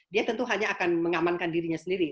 dia tentu hanya akan mengamankan dirinya sendiri